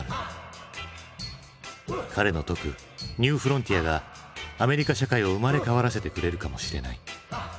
彼の説くニューフロンティアがアメリカ社会を生まれ変わらせてくれるかもしれない。